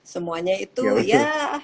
semuanya itu ya